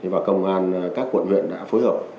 và công an các quận huyện đã phối hợp